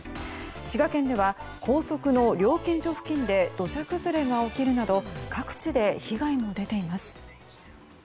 滋賀県では高速の料金所付近で土砂崩れが起きるなど各地で被害が出ています。